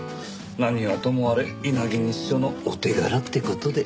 何はともあれ稲城西署のお手柄って事で。